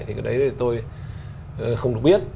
thì cái đấy tôi không được biết